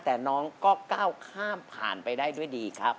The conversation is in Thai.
แต่น้องก็ก้าวข้ามผ่านไปได้ด้วยดีครับ